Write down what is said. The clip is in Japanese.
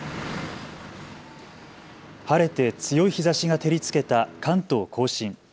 晴れて強い日ざしが照りつけた関東甲信。